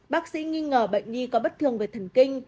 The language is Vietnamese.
bác sĩ nghi ngờ bệnh nhi có bất thường về thần kinh